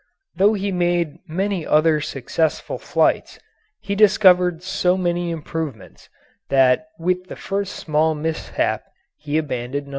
Though he made many other successful flights, he discovered so many improvements that with the first small mishap he abandoned No.